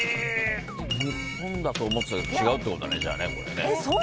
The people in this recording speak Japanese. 日本だと思ってたけど違うってことだね、じゃあ。